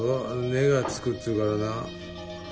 根がつくっていうからな。